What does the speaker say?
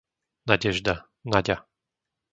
Nadežda, Naďa